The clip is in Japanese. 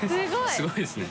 すごいですね。